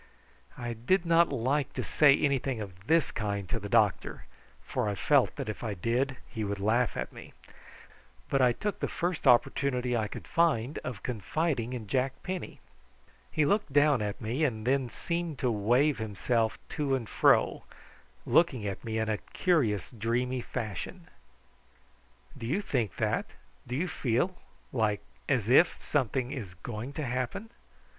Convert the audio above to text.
I did not like to say anything of this kind to the doctor, for I felt that if I did he would laugh at me; but I took the first opportunity I could find of confiding in Jack Penny. He looked down at me and then seemed to wave himself to and fro, looking at me in a curious dreamy fashion. "Do you think that? do you feel like as if something is going to happen?"